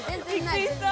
びっくりした。